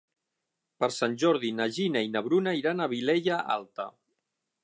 Per Sant Jordi na Gina i na Bruna iran a la Vilella Alta.